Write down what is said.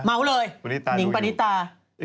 เมาด์เลยนิงบานิตา